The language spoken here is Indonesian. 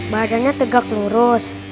badannya tegak lurus